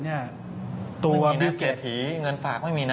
ไม่มีนักเสียทีเงินฝากไม่มีนะ